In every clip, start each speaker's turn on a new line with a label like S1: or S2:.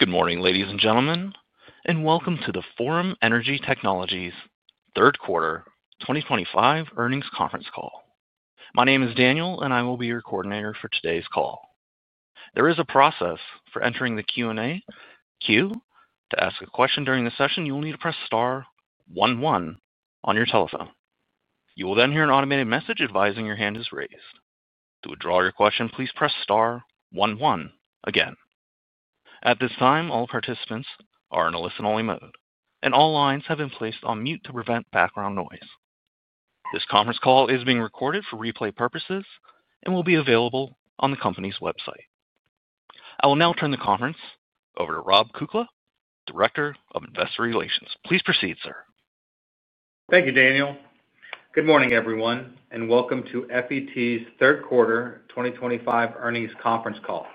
S1: Good morning, ladies and gentlemen, and welcome to the Forum Energy Technologies third quarter 2025 earnings conference call. My name is Daniel, and I will be your coordinator for today's call. There is a process for entering the Q&A queue. To ask a question during the session, you will need to press star one one on your telephone. You will then hear an automated message advising your hand is raised. To withdraw your question, please press star one one again. At this time, all participants are in a listen-only mode, and all lines have been placed on mute to prevent background noise. This conference call is being recorded for replay purposes and will be available on the company's website. I will now turn the conference over to Rob Kukla, Director of Investor Relations. Please proceed, sir.
S2: Thank you, Daniel. Good morning, everyone, and welcome to FET's third quarter 2025 earnings conference call.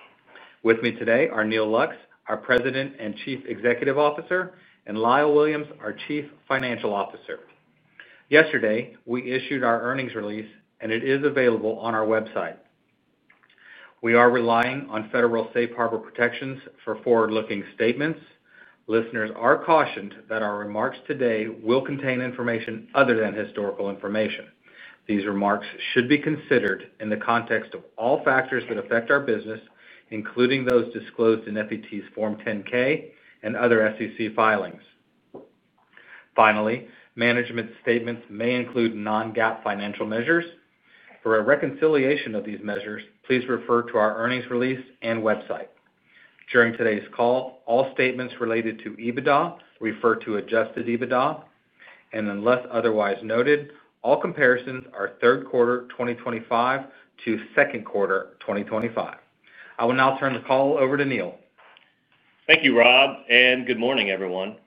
S2: With me today are Neal Lux, our President and Chief Executive Officer, and Lyle Williams, our Chief Financial Officer. Yesterday, we issued our earnings release, and it is available on our website. We are relying on Federal Safe Harbor protections for forward-looking statements. Listeners are cautioned that our remarks today will contain information other than historical information. These remarks should be considered in the context of all factors that affect our business, including those disclosed in FET's Form 10-K and other SEC filings. Finally, management statements may include non-GAAP financial measures. For a reconciliation of these measures, please refer to our earnings release and website. During today's call, all statements related to EBITDA refer to adjusted EBITDA, and unless otherwise noted, all comparisons are third quarter 2025 to second quarter 2025. I will now turn the call over to Neal.
S3: Thank you, Rob, and good morning, everyone.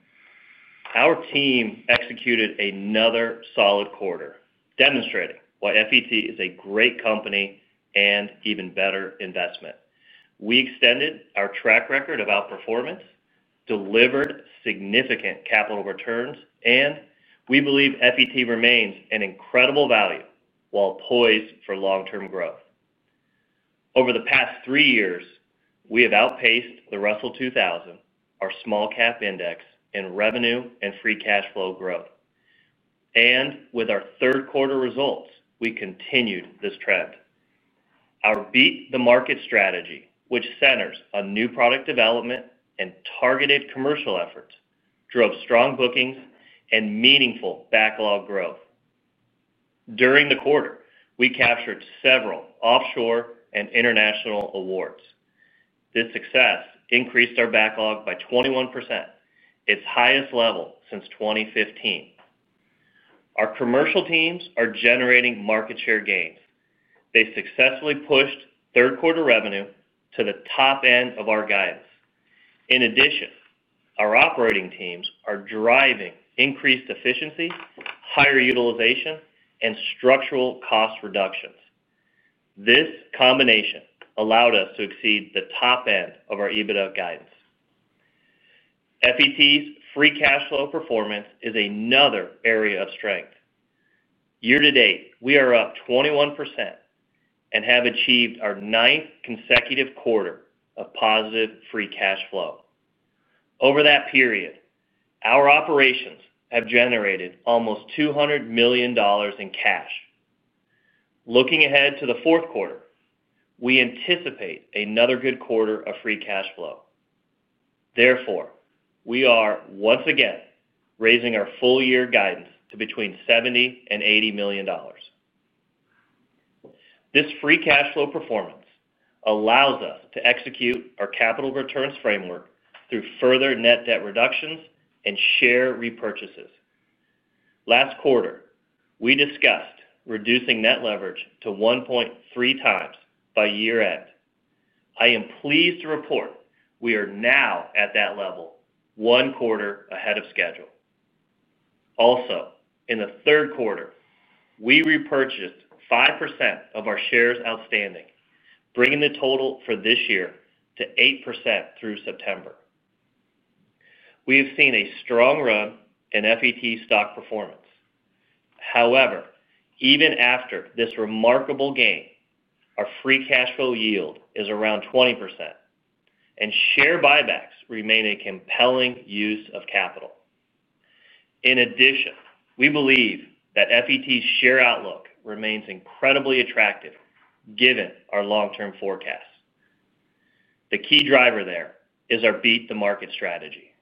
S3: Our team executed another solid quarter, demonstrating why FET is a great company and even better investment. We extended our track record of outperformance, delivered significant capital returns, and we believe FET remains an incredible value while poised for long-term growth. Over the past three years, we have outpaced the Russell 2000, our small-cap index, in revenue and free cash flow growth. With our third quarter results, we continued this trend. Our Beat the Market strategy, which centers on new product development and targeted commercial efforts, drove strong bookings and meaningful backlog growth. During the quarter, we captured several offshore and international awards. This success increased our backlog by 21%, its highest level since 2015. Our commercial teams are generating market share gains. They successfully pushed third quarter revenue to the top end of our guidance. In addition, our operating teams are driving increased efficiency, higher utilization, and structural cost reductions. This combination allowed us to exceed the top end of our EBITDA guidance. FET's free cash flow performance is another area of strength. Year-to-date, we are up 21% and have achieved our ninth consecutive quarter of positive free cash flow. Over that period, our operations have generated almost $200 million in cash. Looking ahead to the fourth quarter, we anticipate another good quarter of free cash flow. Therefore, we are once again raising our full-year guidance to between $70 million and $80 million. This free cash flow performance allows us to execute our capital returns framework through further net debt reductions and share repurchases. Last quarter, we discussed reducing net leverage to 1.3x by year end. I am pleased to report we are now at that level, one quarter ahead of schedule. Also, in the third quarter, we repurchased 5% of our shares outstanding, bringing the total for this year to 8% through September. We have seen a strong run in FET's stock performance. However, even after this remarkable gain, our free cash flow yield is around 20%, and share buybacks remain a compelling use of capital. In addition, we believe that FET's share outlook remains incredibly attractive given our long-term forecasts. The key driver there is our Beat the Market strategy.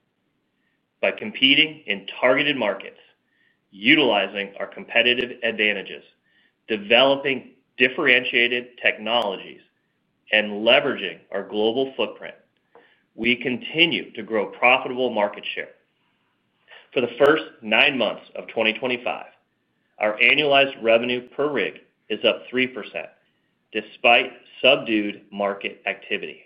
S3: By competing in targeted markets, utilizing our competitive advantages, developing differentiated technologies, and leveraging our global footprint, we continue to grow profitable market share. For the first nine months of 2025, our annualized revenue per rig is up 3%, despite subdued market activity.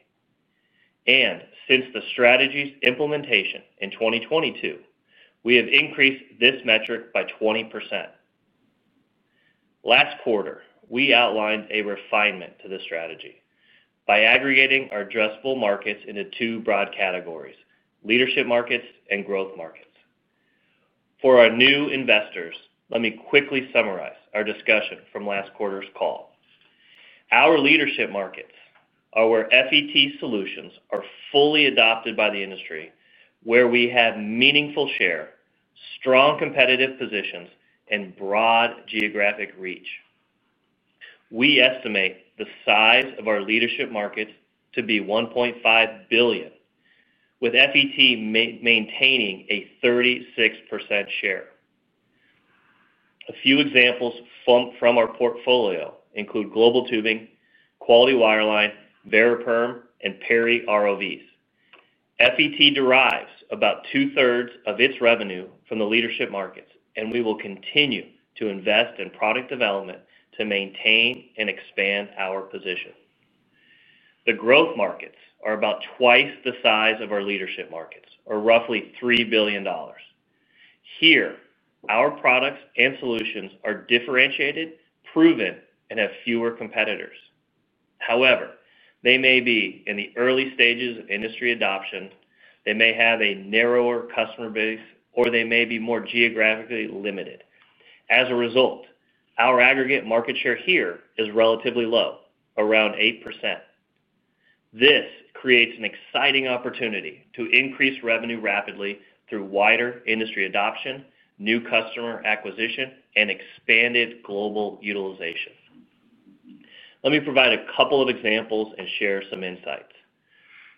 S3: Since the strategy's implementation in 2022, we have increased this metric by 20%. Last quarter, we outlined a refinement to the strategy by aggregating our addressable markets into two broad categories: leadership markets and growth markets. For our new investors, let me quickly summarize our discussion from last quarter's call. Our leadership markets are where FET solutions are fully adopted by the industry, where we have meaningful share, strong competitive positions, and broad geographic reach. We estimate the size of our leadership markets to be $1.5 billion, with FET maintaining a 36% share. A few examples from our portfolio include Global Tubing, Quality Wireline, Variperm, and Perry ROVs. FET derives about two-thirds of its revenue from the leadership markets, and we will continue to invest in product development to maintain and expand our position. The growth markets are about twice the size of our leadership markets, or roughly $3 billion. Here, our products and solutions are differentiated, proven, and have fewer competitors. However, they may be in the early stages of industry adoption, they may have a narrower customer base, or they may be more geographically limited. As a result, our aggregate market share here is relatively low, around 8%. This creates an exciting opportunity to increase revenue rapidly through wider industry adoption, new customer acquisition, and expanded global utilization. Let me provide a couple of examples and share some insights.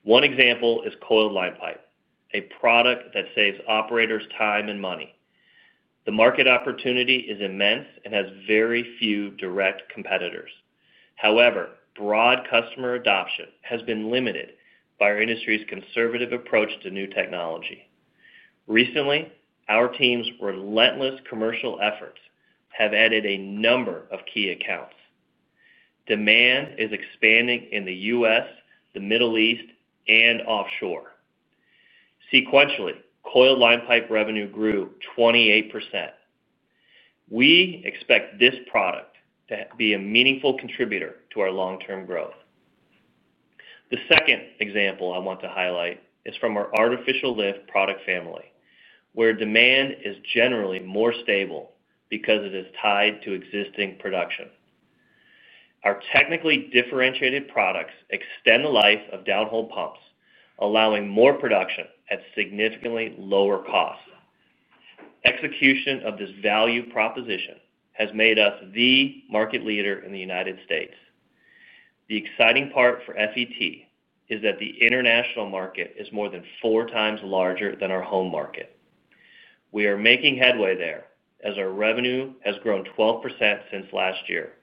S3: One example is Coiled Line Pipe, a product that saves operators time and money. The market opportunity is immense and has very few direct competitors. However, broad customer adoption has been limited by our industry's conservative approach to new technology. Recently, our team's relentless commercial efforts have added a number of key accounts. Demand is expanding in the U.S., the Middle East, and offshore. Sequentially, Coiled Line Pipe revenue grew 28%. We expect this product to be a meaningful contributor to our long-term growth. The second example I want to highlight is from our artificial lift product family, where demand is generally more stable because it is tied to existing production. Our technically differentiated products extend the life of downhole pumps, allowing more production at significantly lower cost. Execution of this value proposition has made us the market leader in the United States. The exciting part for FET is that the international market is more than four times larger than our home market. We are making headway there as our revenue has grown 12% since last year.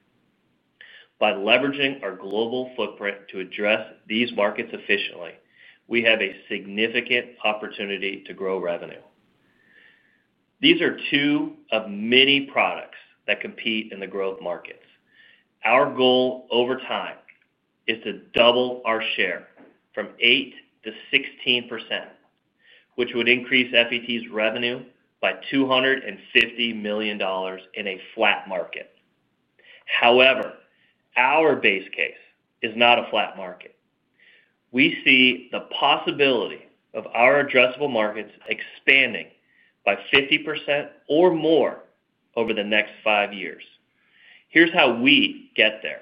S3: By leveraging our global footprint to address these markets efficiently, we have a significant opportunity to grow revenue. These are two of many products that compete in the growth markets. Our goal over time is to double our share from 8% to 16%, which would increase FET's revenue by $250 million in a flat market. However, our base case is not a flat market. We see the possibility of our addressable markets expanding by 50% or more over the next 5 years. Here's how we get there.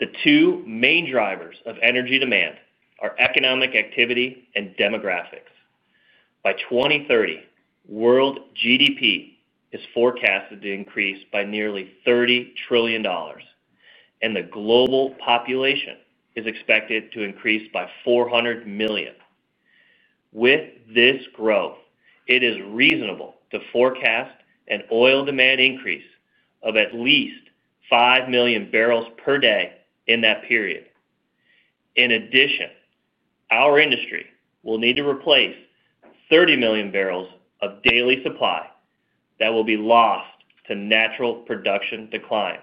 S3: The two main drivers of energy demand are economic activity and demographics. By 2030, world GDP is forecasted to increase by nearly $30 trillion, and the global population is expected to increase by 400 million. With this growth, it is reasonable to forecast an oil demand increase of at least 5 million barrels per day in that period. In addition, our industry will need to replace 30 million barrels of daily supply that will be lost to natural production declines.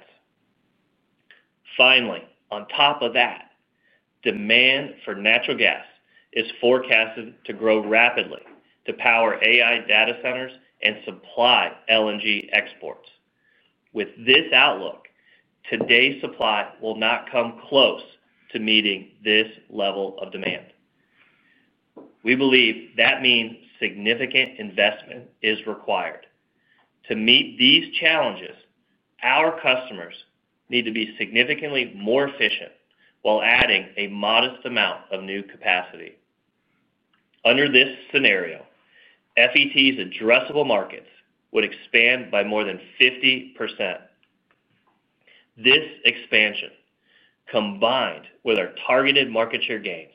S3: Finally, on top of that, demand for natural gas is forecasted to grow rapidly to power AI data centers and supply LNG exports. With this outlook, today's supply will not come close to meeting this level of demand. We believe that means significant investment is required. To meet these challenges, our customers need to be significantly more efficient while adding a modest amount of new capacity. Under this scenario, FET's addressable markets would expand by more than 50%. This expansion, combined with our targeted market share gains,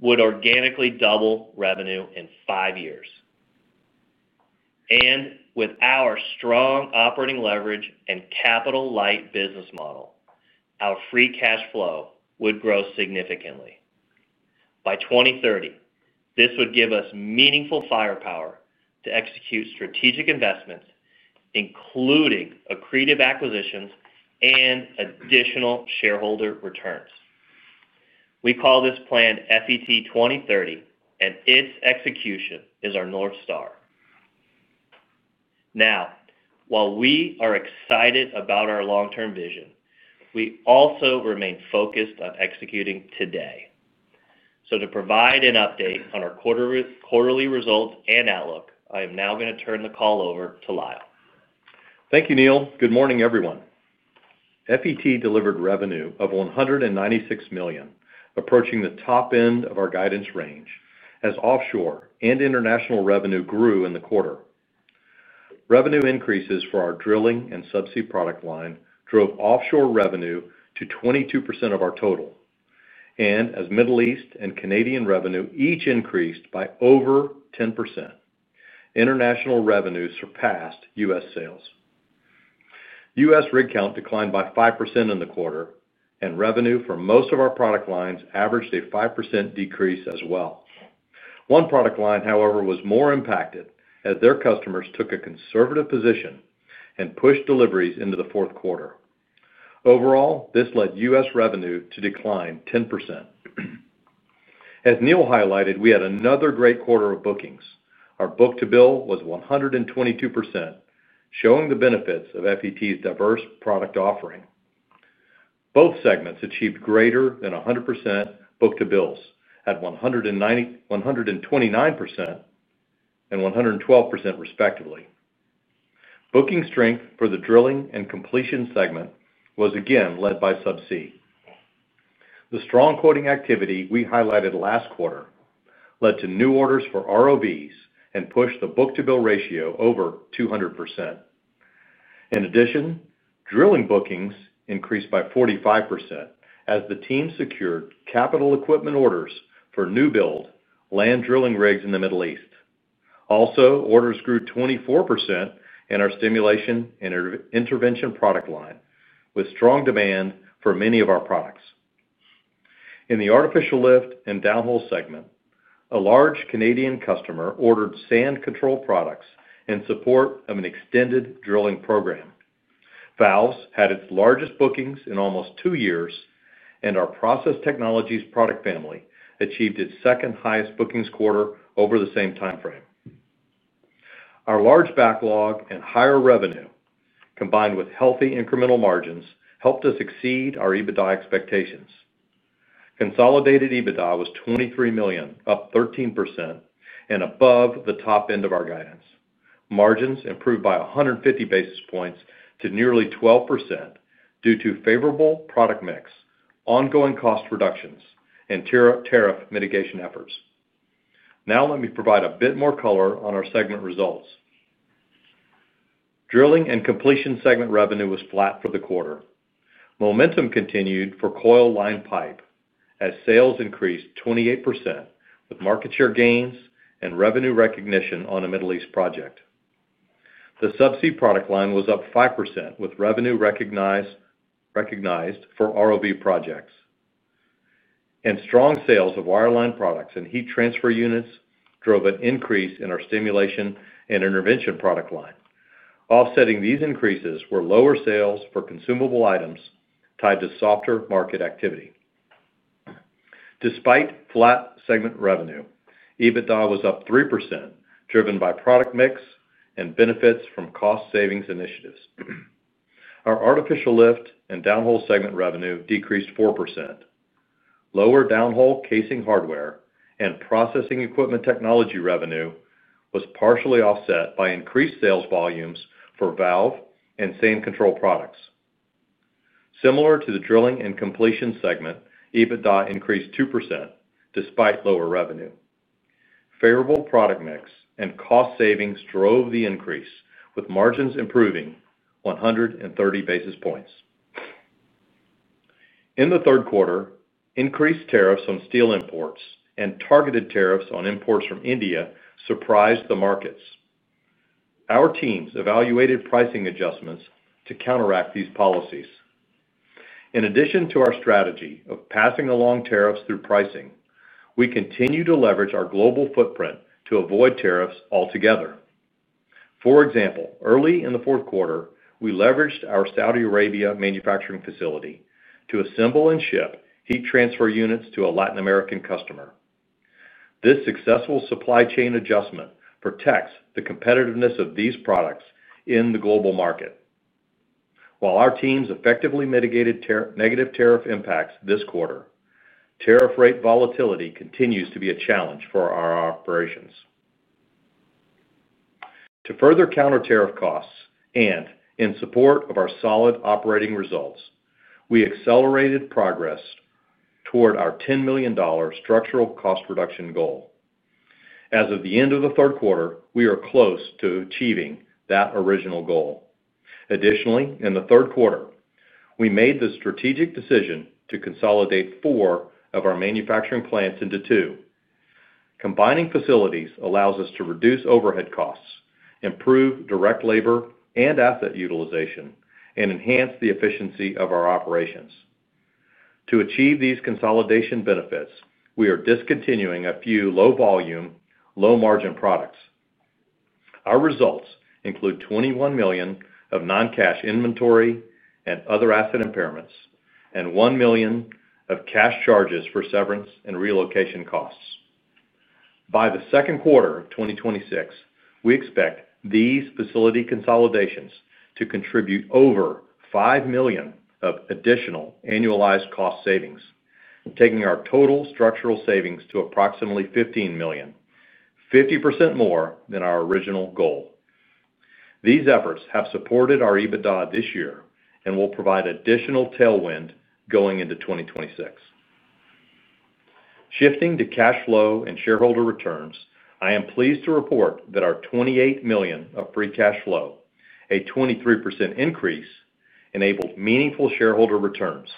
S3: would organically double revenue in 5 years. With our strong operating leverage and capital-light business model, our free cash flow would grow significantly. By 2030, this would give us meaningful firepower to execute strategic investments, including accretive acquisitions and additional shareholder returns. We call this plan FET 2030, and its execution is our North Star. Now, while we are excited about our long-term vision, we also remain focused on executing today. To provide an update on our quarterly results and outlook, I am now going to turn the call over to Lyle.
S4: Thank you, Neal. Good morning, everyone. FET delivered revenue of $196 million, approaching the top end of our guidance range, as offshore and international revenue grew in the quarter. Revenue increases for our drilling and subsea product line drove offshore revenue to 22% of our total, as Middle East and Canadian revenue each increased by over 10%. International revenue surpassed U.S. sales. U.S. rig count declined by 5% in the quarter, and revenue for most of our product lines averaged a 5% decrease as well. One product line, however, was more impacted as their customers took a conservative position and pushed deliveries into the fourth quarter. Overall, this led U.S. revenue to decline 10%. As Neal highlighted, we had another great quarter of bookings. Our book-to-bill was 122%, showing the benefits of FET's diverse product offering. Both segments achieved greater than 100% book-to-bills at 129% and 112%, respectively. Booking strength for the drilling and completion segment was again led by subsea. The strong quoting activity we highlighted last quarter led to new orders for ROVs and pushed the book-to-bill ratio over 200%. In addition, drilling bookings increased by 45% as the team secured capital equipment orders for new-build land drilling rigs in the Middle East. Also, orders grew 24% in our stimulation and intervention product line, with strong demand for many of our products. In the artificial lift and downhole segment, a large Canadian customer ordered sand control products in support of an extended drilling program. Valves had its largest bookings in almost 2 years, and our process technologies product family achieved its second-highest bookings quarter over the same timeframe. Our large backlog and higher revenue, combined with healthy incremental margins, helped us exceed our EBITDA expectations. Consolidated EBITDA was $23 million, up 13%, and above the top end of our guidance. Margins improved by 150 basis points to nearly 12% due to favorable product mix, ongoing cost reductions, and tariff mitigation efforts. Now, let me provide a bit more color on our segment results. Drilling and completion segment revenue was flat for the quarter. Momentum continued for Coiled Line Pipe as sales increased 28% with market share gains and revenue recognition on a Middle East project. The subsea product line was up 5% with revenue recognized for ROV projects. Strong sales of wireline products and heat transfer units drove an increase in our stimulation and intervention product line. Offsetting these increases were lower sales for consumable items tied to softer market activity. Despite flat segment revenue, EBITDA was up 3%, driven by product mix and benefits from cost-savings initiatives. Our artificial lift and downhole segment revenue decreased 4%. Lower downhole casing hardware and processing equipment technology revenue was partially offset by increased sales volumes for valve and sand control products. Similar to the drilling and completion segment, EBITDA increased 2% despite lower revenue. Favorable product mix and cost savings drove the increase, with margins improving 130 basis points. In the third quarter, increased tariffs on steel imports and targeted tariffs on imports from India surprised the markets. Our teams evaluated pricing adjustments to counteract these policies. In addition to our strategy of passing along tariffs through pricing, we continue to leverage our global footprint to avoid tariffs altogether. For example, early in the fourth quarter, we leveraged our Saudi Arabia manufacturing facility to assemble and ship heat transfer units to a Latin American customer. This successful supply chain adjustment protects the competitiveness of these products in the global market. While our teams effectively mitigated negative tariff impacts this quarter, tariff rate volatility continues to be a challenge for our operations. To further counter tariff costs and in support of our solid operating results, we accelerated progress toward our $10 million structural cost reduction goal. As of the end of the third quarter, we are close to achieving that original goal. Additionally, in the third quarter, we made the strategic decision to consolidate four of our manufacturing plants into two. Combining facilities allows us to reduce overhead costs, improve direct labor and asset utilization, and enhance the efficiency of our operations. To achieve these consolidation benefits, we are discontinuing a few low-volume, low-margin products. Our results include $21 million of non-cash inventory and other asset impairments and $1 million of cash charges for severance and relocation costs. By the second quarter of 2026, we expect these facility consolidations to contribute over $5 million of additional annualized cost savings, taking our total structural savings to approximately $15 million, 50% more than our original goal. These efforts have supported our EBITDA this year and will provide additional tailwind going into 2026. Shifting to cash flow and shareholder returns, I am pleased to report that our $28 million of free cash flow, a 23% increase, enabled meaningful shareholder returns.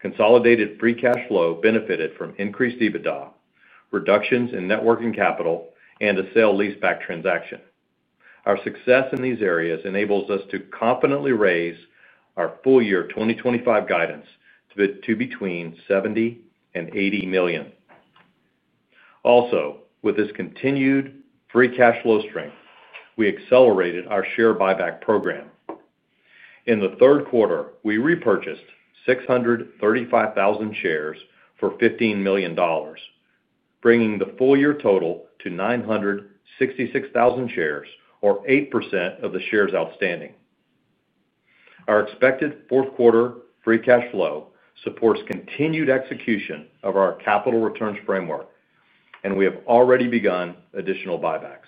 S4: Consolidated free cash flow benefited from increased EBITDA, reductions in net working capital, and a sale leaseback transaction. Our success in these areas enables us to confidently raise our full year 2025 guidance to between $70 million and $80 million. Also, with this continued free cash flow strength, we accelerated our share buyback program. In the third quarter, we repurchased 635,000 shares for $15 million, bringing the full year total to 966,000 shares, or 8% of the shares outstanding. Our expected fourth quarter free cash flow supports continued execution of our capital returns framework, and we have already begun additional buybacks.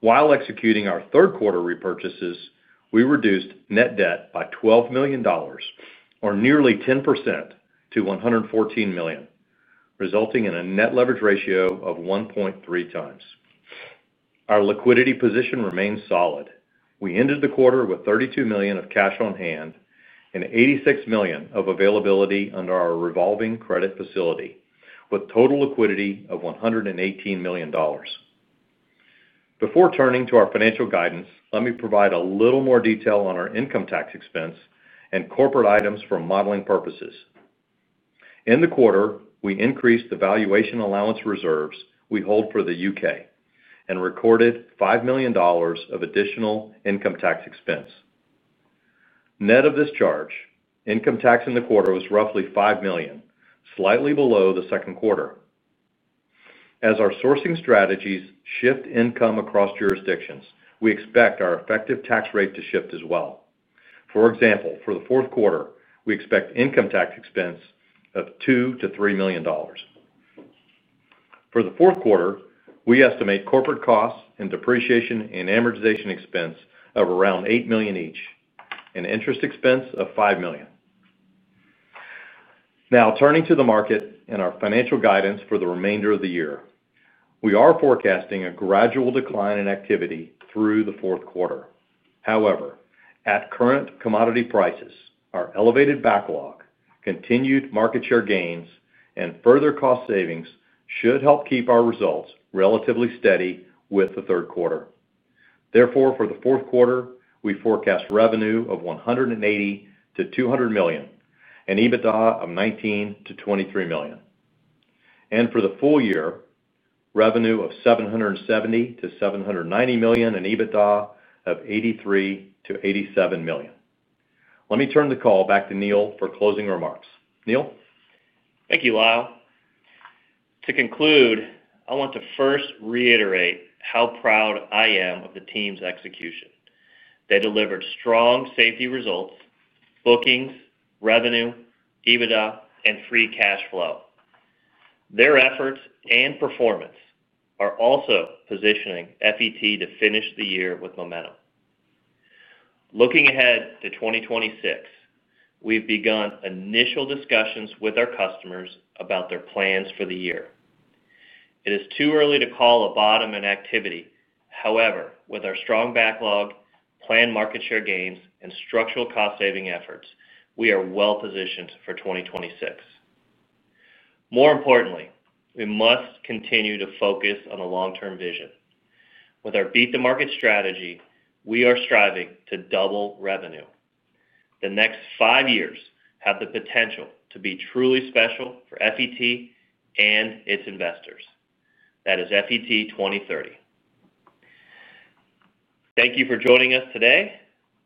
S4: While executing our third quarter repurchases, we reduced net debt by $12 million, or nearly 10%, to $114 million, resulting in a net leverage ratio of 1.3x. Our liquidity position remains solid. We ended the quarter with $32 million of cash on hand and $86 million of availability under our revolving credit facility, with total liquidity of $118 million. Before turning to our financial guidance, let me provide a little more detail on our income tax expense and corporate items for modeling purposes. In the quarter, we increased the valuation allowance reserves we hold for the U.K. and recorded $5 million of additional income tax expense. Net of this charge, income tax in the quarter was roughly $5 million, slightly below the second quarter. As our sourcing strategies shift income across jurisdictions, we expect our effective tax rate to shift as well. For example, for the fourth quarter, we expect income tax expense of $2 million-$3 million. For the fourth quarter, we estimate corporate costs and depreciation and amortization expense of around $8 million each and interest expense of $5 million. Now, turning to the market and our financial guidance for the remainder of the year, we are forecasting a gradual decline in activity through the fourth quarter. However, at current commodity prices, our elevated backlog, continued market share gains, and further cost savings should help keep our results relatively steady with the third quarter. Therefore, for the fourth quarter, we forecast revenue of $180 million-$200 million and EBITDA of $19 million-$23 million. For the full year, revenue of $770 million-$790 million and EBITDA of $83 million-$87 million. Let me turn the call back to Neal for closing remarks. Neal?
S3: Thank you, Lyle. To conclude, I want to first reiterate how proud I am of the team's execution. They delivered strong safety results, bookings, revenue, EBITDA, and free cash flow. Their efforts and performance are also positioning FET to finish the year with momentum. Looking ahead to 2026, we've begun initial discussions with our customers about their plans for the year. It is too early to call a bottom in activity. However, with our strong backlog, planned market share gains, and structural cost-saving efforts, we are well-positioned for 2026. More importantly, we must continue to focus on a long-term vision. With our Beat the Market strategy, we are striving to double revenue. The next 5 years have the potential to be truly special for Forum Energy Technologies and its investors. That is FET 2030. Thank you for joining us today.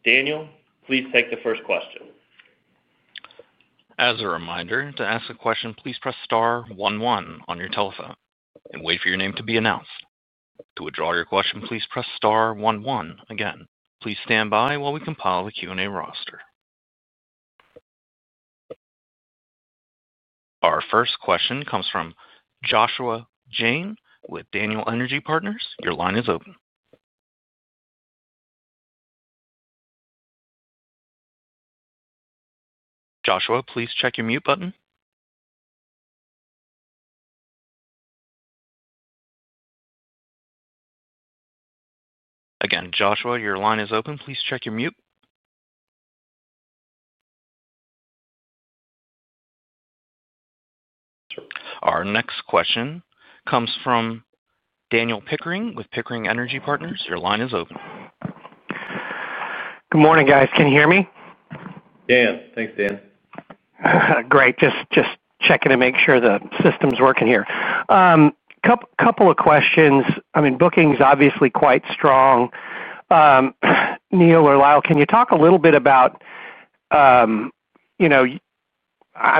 S3: Daniel, please take the first question.
S1: As a reminder, to ask a question, please press star one one on your telephone and wait for your name to be announced. To withdraw your question, please press star one one again. Please stand by while we compile the Q&A roster. Our first question comes from Joshua Jayne with Daniel Energy Partners. Your line is open. Joshua, please check your mute button. Again, Joshua, your line is open. Please check your mute. Our next question comes from Daniel Pickering with Pickering Energy Partners. Your line is open.
S5: Good morning, guys. Can you hear me?
S4: Dan, thanks, Dan.
S5: Great. Just checking to make sure the system's working here. Couple of questions. I mean, bookings are obviously quite strong. Neal or Lyle, can you talk a little bit about, I'm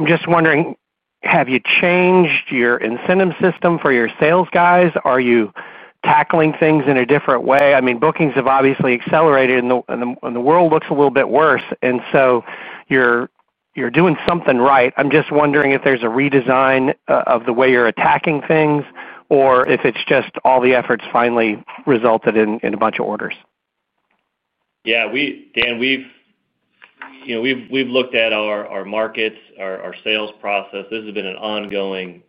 S5: just wondering, have you changed your incentive system for your sales guys? Are you tackling things in a different way? I mean, bookings have obviously accelerated, and the world looks a little bit worse. You're doing something right. I'm just wondering if there's a redesign of the way you're attacking things or if it's just all the efforts finally resulted in a bunch of orders.
S3: Yeah. Dan, we've looked at our markets, our sales process. This has been ongoing,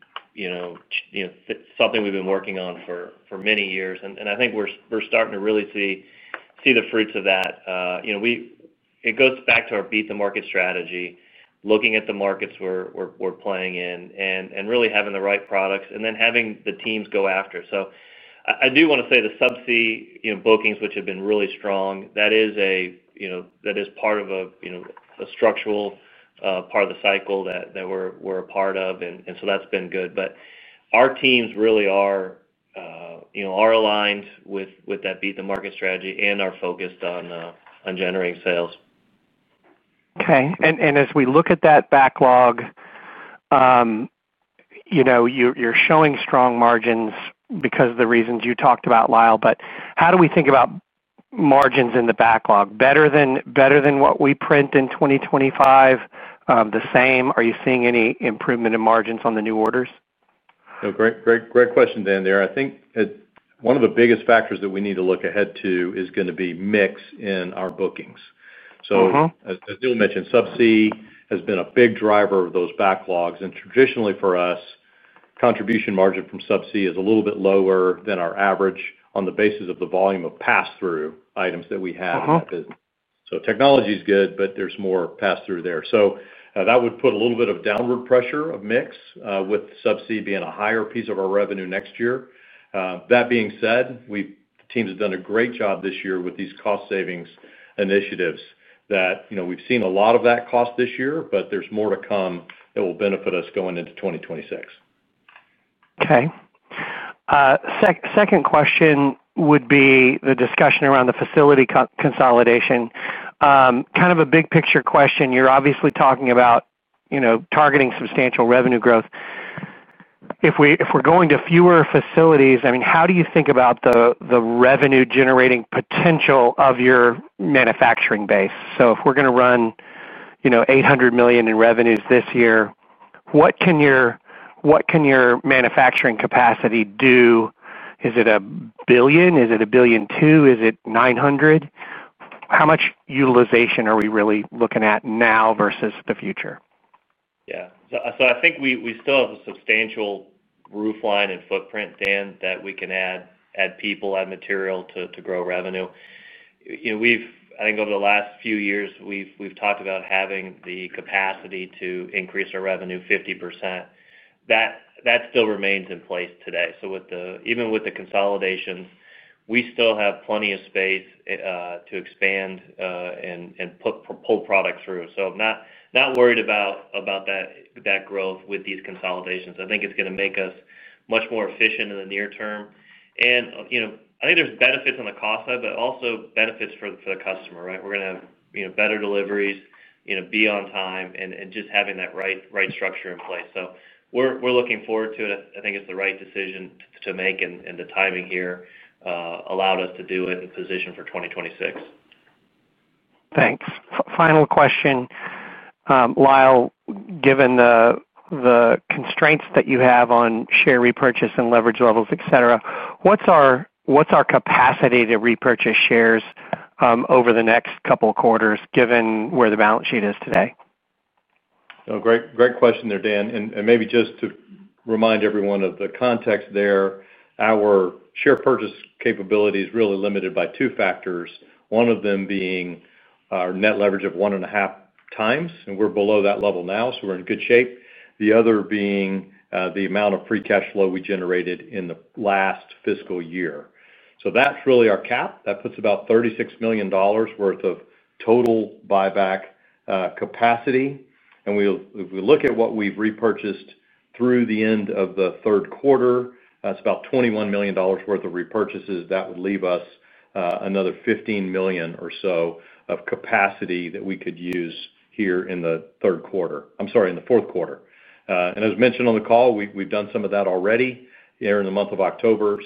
S3: something we've been working on for many years. I think we're starting to really see the fruits of that. It goes back to our Beat the Market strategy, looking at the markets we're playing in, and really having the right products, and then having the teams go after it. I do want to say the subsea bookings, which have been really strong, are part of a structural part of the cycle that we're a part of. That has been good. Our teams really are aligned with that Beat the Market strategy and are focused on generating sales.
S5: Okay. As we look at that backlog, you're showing strong margins because of the reasons you talked about, Lyle. How do we think about margins in the backlog? Better than what we print in 2025, the same, or are you seeing any improvement in margins on the new orders?
S4: Great question, Dan. I think one of the biggest factors that we need to look ahead to is going to be mix in our bookings. As Neal mentioned, subsea has been a big driver of those backlogs. Traditionally for us, contribution margin from subsea is a little bit lower than our average on the basis of the volume of pass-through items that we have in that business. Technology is good, but there's more pass-through there. That would put a little bit of downward pressure on mix with subsea being a higher piece of our revenue next year. That being said, the team has done a great job this year with these cost-savings initiatives. We've seen a lot of that cost this year, but there's more to come that will benefit us going into 2026.
S5: Okay. Second question would be the discussion around the facility consolidation. Kind of a big picture question. You're obviously talking about targeting substantial revenue growth. If we're going to fewer facilities, I mean, how do you think about the revenue-generating potential of your manufacturing base? If we're going to run $800 million in revenues this year, what can your manufacturing capacity do? Is it $1 billion? Is it $1.2 billion? Is it $900 million? How much utilization are we really looking at now versus the future?
S3: Yeah. I think we still have a substantial roofline and footprint, Dan, that we can add people, add material to grow revenue. I think over the last few years, we've talked about having the capacity to increase our revenue 50%. That still remains in place today. Even with the consolidations, we still have plenty of space to expand and pull products through. I'm not worried about that growth with these consolidations. I think it's going to make us much more efficient in the near term. I think there's benefits on the cost side, but also benefits for the customer, right? We're going to have better deliveries, be on time, and just having that right structure in place. We're looking forward to it. I think it's the right decision to make, and the timing here allowed us to do it and position for 2026.
S5: Thanks. Final question. Lyle, given the constraints that you have on share repurchase and leverage levels, etc., what's our capacity to repurchase shares over the next couple of quarters given where the balance sheet is today?
S4: Great question there, Dan. Maybe just to remind everyone of the context there, our share purchase capability is really limited by two factors, one of them being our net leverage of 1.5x, and we're below that level now, so we're in good shape. The other being the amount of free cash flow we generated in the last fiscal year. That's really our cap. That puts about $36 million worth of total buyback capacity. If we look at what we've repurchased through the end of the third quarter, that's about $21 million worth of repurchases. That would leave us another $15 million or so of capacity that we could use here in the third quarter. I'm sorry, in the fourth quarter. As mentioned on the call, we've done some of that already here in the month of October.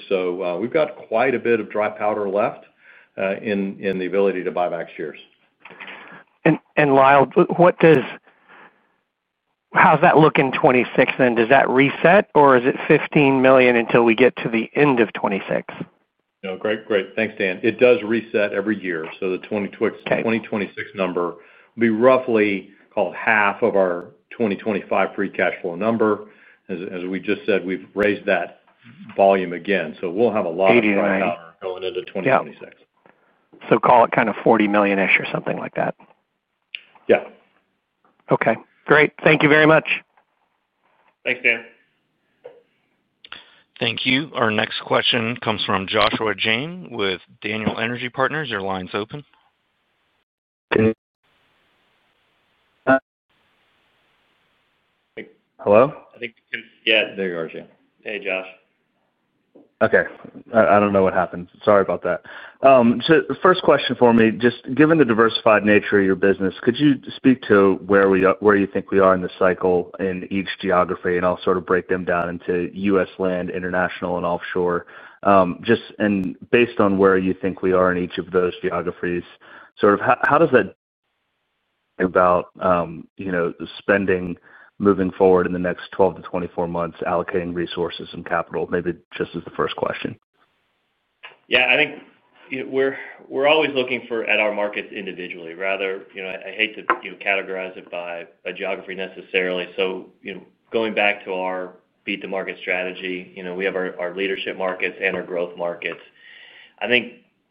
S4: We've got quite a bit of dry powder left in the ability to buy back shares.
S5: Lyle, how's that look in 2026 then? Does that reset, or is it $15 million until we get to the end of 2026?
S4: No, great. Thanks, Dan. It does reset every year. The 2026 number will be roughly called half of our 2025 free cash flow number. As we just said, we've raised that volume again. We'll have a lot of dry powder going into 2026.
S5: Call it kind of $40 million or something like that?
S4: Yeah.
S5: Okay, great. Thank you very much.
S4: Thanks, Dan.
S1: Thank you. Our next question comes from Joshua Jayne with Daniel Energy Partners. Your line's open.
S4: Hello?
S3: I think you can. Yeah, there you are, Jan.
S4: Hey, Josh.
S6: I don't know what happened. Sorry about that. The first question for me, just given the diversified nature of your business, could you speak to where you think we are in the cycle in each geography? I'll sort of break them down into U.S. land, international, and offshore. Just based on where you think we are in each of those geographies, sort of how does that affect spending moving forward in the next 12-24 months, allocating resources and capital? Maybe just as the first question.
S3: Yeah. I think we're always looking at our markets individually. Rather, I hate to categorize it by geography necessarily. Going back to our Beat the Market strategy, we have our leadership markets and our growth markets. I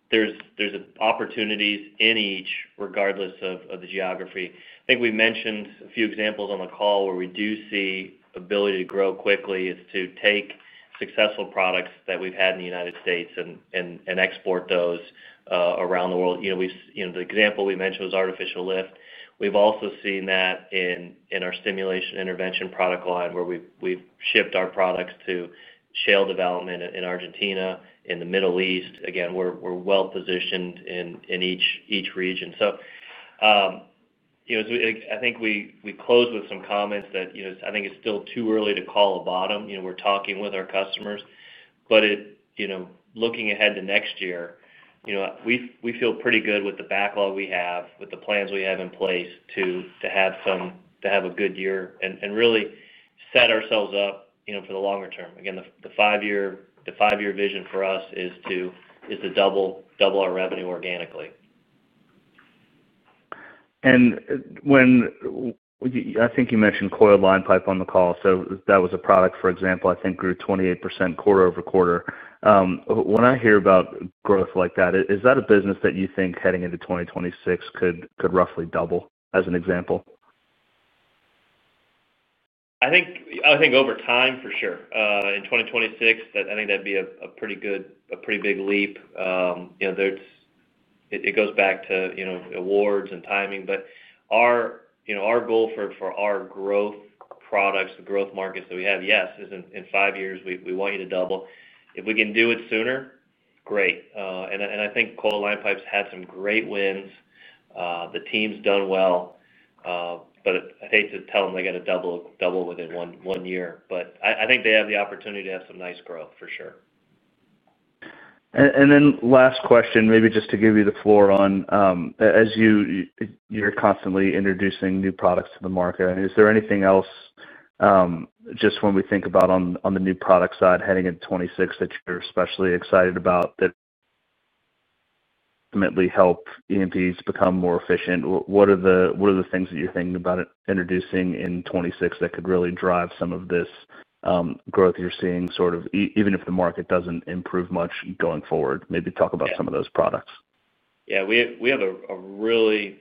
S3: think there's opportunities in each, regardless of the geography. I think we mentioned a few examples on the call where we do see the ability to grow quickly is to take successful products that we've had in the U.S. and export those around the world. The example we mentioned was artificial lift. We've also seen that in our stimulation intervention product line where we've shipped our products to shale development in Argentina and the Middle East. Again, we're well-positioned in each region. I think we closed with some comments that I think it's still too early to call a bottom. We're talking with our customers. Looking ahead to next year, we feel pretty good with the backlog we have, with the plans we have in place to have a good year and really set ourselves up for the longer term. Again, the 5-year vision for us is to double our revenue organically.
S5: I think you mentioned Coiled Line Pipe on the call. That was a product, for example, I think grew 28% quarter-over-quarter. When I hear about growth like that, is that a business that you think heading into 2026 could roughly double, as an example?
S3: I think over time, for sure. In 2026, I think that'd be a pretty good, a pretty big leap. It goes back to awards and timing. Our goal for our growth products, the growth markets that we have, yes, in 5 years, we want you to double. If we can do it sooner, great. I think Coiled Line Pipe's had some great wins. The team's done well. I hate to tell them they got to double within one year. I think they have the opportunity to have some nice growth, for sure.
S5: Last question, maybe just to give you the floor. As you're constantly introducing new products to the market, is there anything else, just when we think about on the new product side heading into 2026 that you're especially excited about, that ultimately help EMPs become more efficient? What are the things that you're thinking about introducing in 2026 that could really drive some of this growth you're seeing, sort of even if the market doesn't improve much going forward? Maybe talk about some of those products.
S3: Yeah. We have a really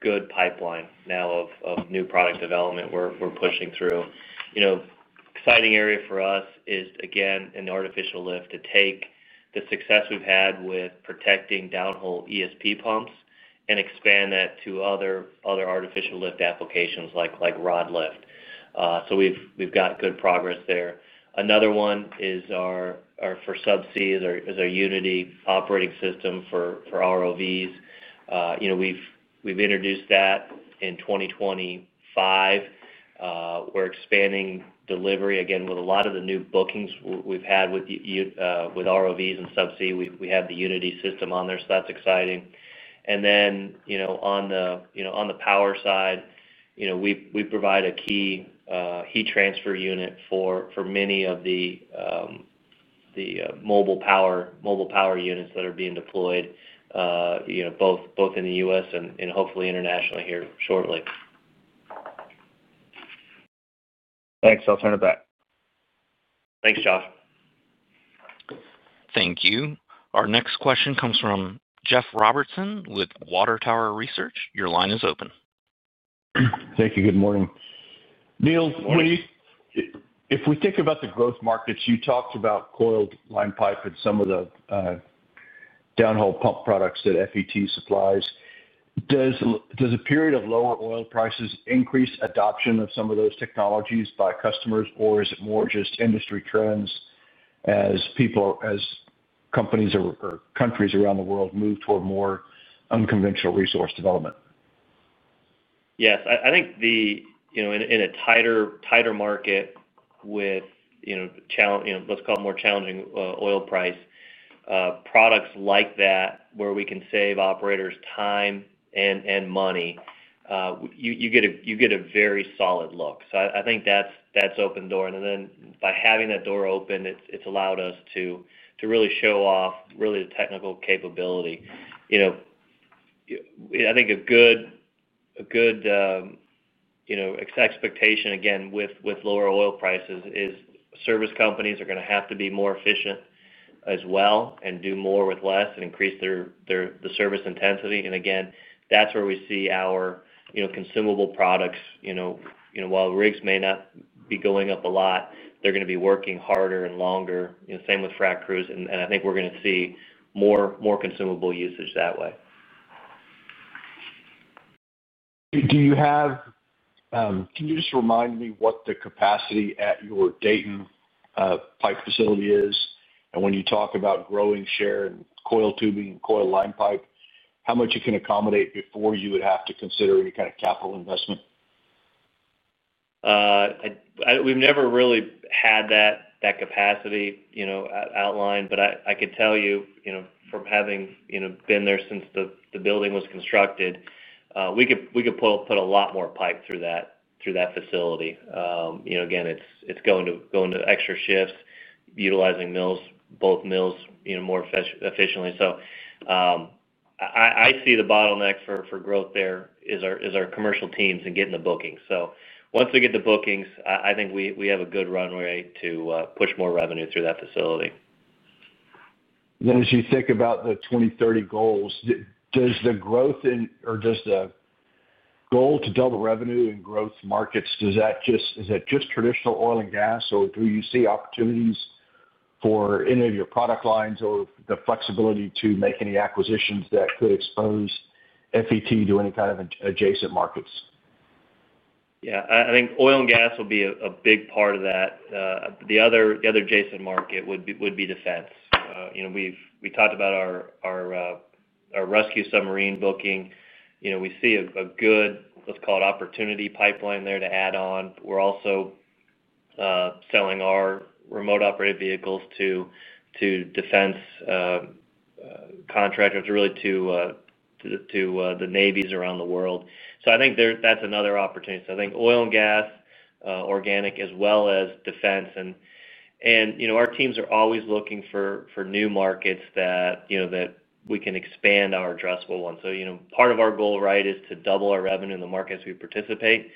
S3: good pipeline now of new product development we're pushing through. Exciting area for us is, again, in the artificial lift to take the success we've had with protecting downhole ESP pumps and expand that to other artificial lift applications like rod lift. We've got good progress there. Another one for subsea is our Unity operating system for ROVs. We've introduced that in 2025. We're expanding delivery. With a lot of the new bookings we've had with ROVs and subsea, we have the Unity system on there. That's exciting. On the power side, we provide a key heat transfer unit for many of the mobile power units that are being deployed both in the U.S. and hopefully internationally here shortly.
S6: Thanks. I'll turn it back.
S3: Thanks, Josh.
S1: Thank you. Our next question comes from Jeff Robertson with Water Tower Research. Your line is open.
S7: Thank you. Good morning. Neal, if we think about the growth markets, you talked about Coiled Line Pipe and some of the downhole pump products that FET supplies. Does a period of lower oil prices increase adoption of some of those technologies by customers, or is it more just industry trends as companies or countries around the world move toward more unconventional resource development?
S3: Yes, I think in a tighter market with, let's call it, more challenging oil price, products like that where we can save operators time and money, you get a very solid look. I think that's open door, and by having that door open, it's allowed us to really show off really the technical capability. I think a good expectation, again, with lower oil prices is service companies are going to have to be more efficient as well, do more with less, and increase the service intensity. That's where we see our consumable products. While rigs may not be going up a lot, they're going to be working harder and longer. Same with frac crews, and I think we're going to see more consumable usage that way.
S7: Can you just remind me what the capacity at your Dayton pipe facility is? When you talk about growing share in coil tubing and Coiled Line Pipe, how much you can accommodate before you would have to consider any kind of capital investment?
S3: We've never really had that capacity outlined, but I can tell you from having been there since the building was constructed, we could put a lot more pipe through that facility. It's going to extra shifts, utilizing both mills more efficiently. I see the bottleneck for growth there is our commercial teams and getting the bookings. Once we get the bookings, I think we have a good runway to push more revenue through that facility.
S7: As you think about the 2030 goals, does the growth or just the goal to double revenue and growth markets, is that just traditional oil and gas? Do you see opportunities for any of your product lines or the flexibility to make any acquisitions that could expose FET to any kind of adjacent markets?
S3: Yeah. I think oil and gas will be a big part of that. The other adjacent market would be defense. We talked about our rescue submarine booking. We see a good, let's call it, opportunity pipeline there to add on. We're also selling our remotely operated vehicles to defense contractors, really to the navies around the world. I think that's another opportunity. I think oil and gas, organic, as well as defense. Our teams are always looking for new markets that we can expand our addressable ones. Part of our goal, right, is to double our revenue in the markets we participate.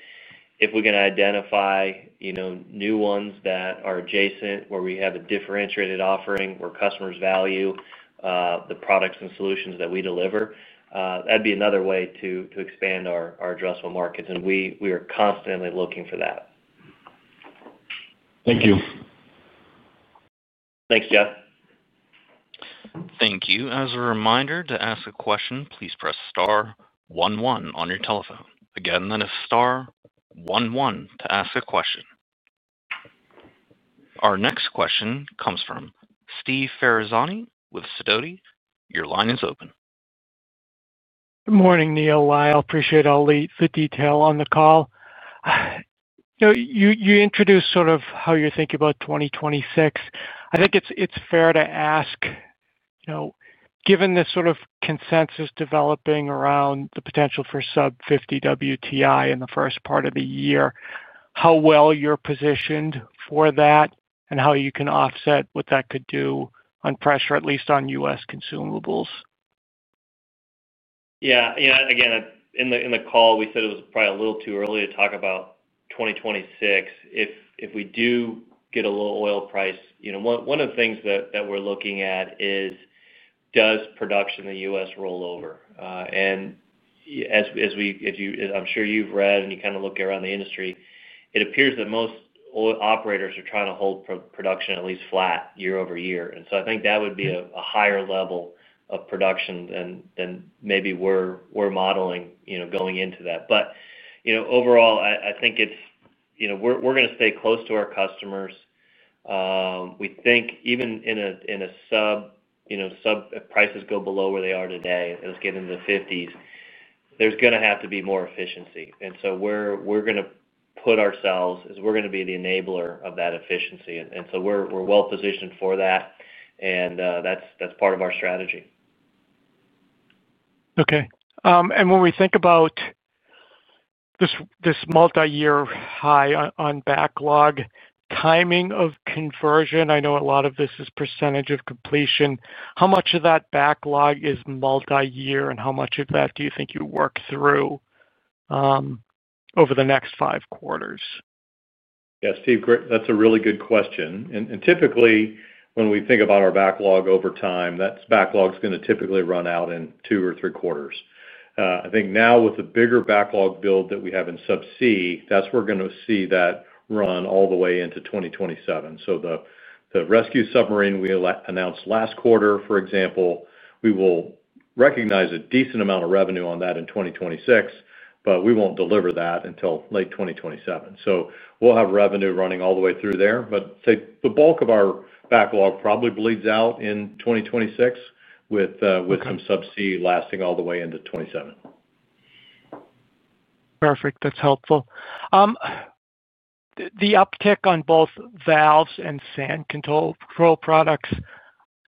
S3: If we can identify new ones that are adjacent where we have a differentiated offering, where customers value the products and solutions that we deliver, that'd be another way to expand our addressable markets. We are constantly looking for that.
S7: Thank you.
S3: Thanks, Jeff.
S1: Thank you. As a reminder, to ask a question, please press star one one on your telephone. Again, press star one one to ask a question. Our next question comes from Steve Ferazani with Sidoti. Your line is open.
S8: Good morning, Neal, Lyle. Appreciate all the detail on the call. You introduced sort of how you're thinking about 2026. I think it's fair to ask, given the sort of consensus developing around the potential for sub-$50 WTI in the first part of the year, how well you're positioned for that and how you can offset what that could do on pressure, at least on U.S. consumables?
S3: Yeah. Again, in the call, we said it was probably a little too early to talk about 2026. If we do get a low oil price, one of the things that we're looking at is does production in the U.S. rollover? As I'm sure you've read and you kind of look around the industry, it appears that most operators are trying to hold production at least flat year-over-year year. I think that would be a higher level of production than maybe we're modeling going into that. Overall, I think we're going to stay close to our customers. We think even in a sub, if prices go below where they are today, let's get into the $50s, there's going to have to be more efficiency. We're going to put ourselves as we're going to be the enabler of that efficiency. We're well-positioned for that, and that's part of our strategy.
S8: Okay. When we think about this multi-year high on backlog timing of conversion, I know a lot of this is percentage of completion. How much of that backlog is multi-year, and how much of that do you think you work through over the next five quarters?
S4: Yeah, Steve, that's a really good question. Typically, when we think about our backlog over time, that backlog is going to typically run out in two or three quarters. I think now with the bigger backlog build that we have in subsea, that's where we're going to see that run all the way into 2027. The rescue submarine we announced last quarter, for example, we will recognize a decent amount of revenue on that in 2026, but we won't deliver that until late 2027. We'll have revenue running all the way through there. The bulk of our backlog probably bleeds out in 2026 with some subsea lasting all the way into 2027.
S8: Perfect. That's helpful. The uptick on both valves and sand control products,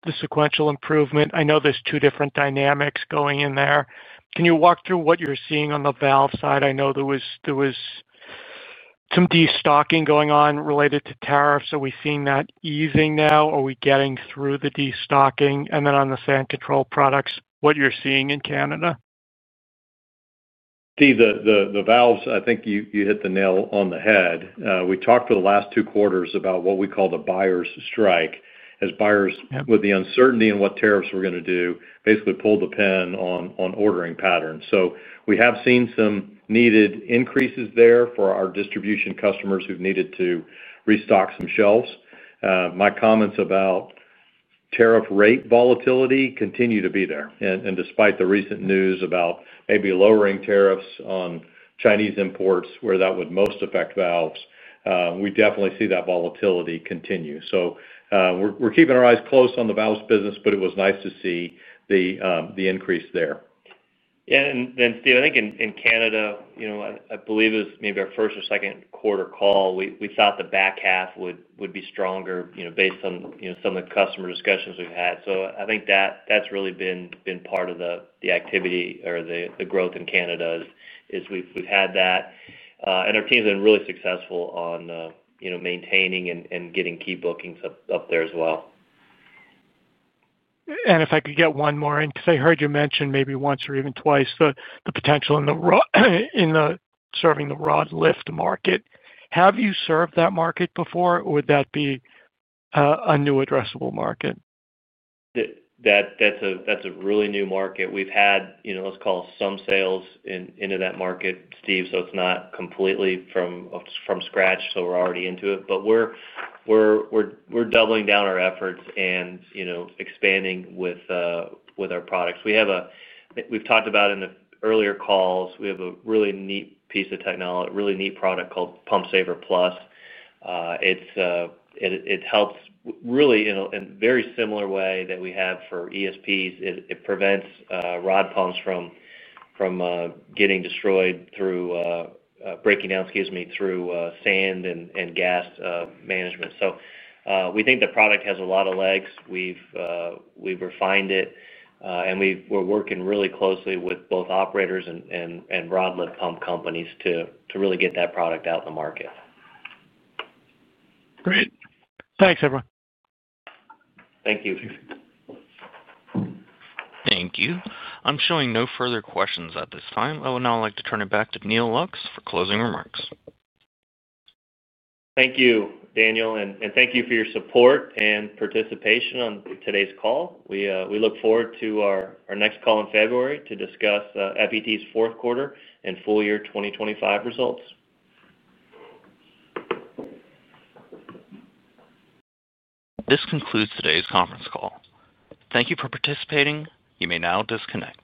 S8: the sequential improvement, I know there's two different dynamics going in there. Can you walk through what you're seeing on the valve side? I know there was some destocking going on related to tariffs. Are we seeing that easing now? Are we getting through the destocking? On the sand control products, what you're seeing in Canada?
S4: Steve, the valves, I think you hit the nail on the head. We talked for the last two quarters about what we call the buyer's strike as buyers, with the uncertainty in what tariffs are going to do, basically pulled the pen on ordering patterns. We have seen some needed increases there for our distribution customers who've needed to restock some shelves. My comments about tariff rate volatility continue to be there. Despite the recent news about maybe lowering tariffs on Chinese imports, where that would most affect valves, we definitely see that volatility continue. We are keeping our eyes closed on the valves business, but it was nice to see the increase there.
S3: Yeah. Steve, I think in Canada, I believe it was maybe our first or second quarter call, we thought the back half would be stronger based on some of the customer discussions we've had. I think that's really been part of the activity or the growth in Canada, as we've had that. Our team's been really successful on maintaining and getting key bookings up there as well.
S8: If I could get one more in, because I heard you mention maybe once or even twice the potential in serving the Rod Lift market. Have you served that market before, or would that be a new addressable market?
S3: That's a really new market. We've had, let's call it, some sales into that market, Steve, so it's not completely from scratch. We're already into it, but we're doubling down our efforts and expanding with our products. We've talked about in the earlier calls, we have a really neat piece of technology, a really neat product called Pump Saver Plus. It helps really in a very similar way that we have for ESPs. It prevents rod pumps from getting destroyed through breaking down, excuse me, through sand and gas management. We think the product has a lot of legs. We've refined it, and we're working really closely with both operators and rod lift pump companies to really get that product out in the market.
S8: Great. Thanks, everyone.
S3: Thank you.
S1: Thank you. I'm showing no further questions at this time. I would now like to turn it back to Neal Lux for closing remarks.
S3: Thank you, Daniel. Thank you for your support and participation on today's call. We look forward to our next call in February to discuss Forum Energy Technologies' fourth quarter and full year 2025 results.
S1: This concludes today's conference call. Thank you for participating. You may now disconnect.